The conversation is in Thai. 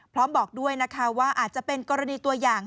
บอกด้วยนะคะว่าอาจจะเป็นกรณีตัวอย่าง